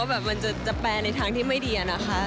แบบมันจะแปลในทางที่ไม่ดีอะนะคะ